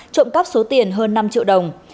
trộm cấp số tiền hơn năm triệu đồng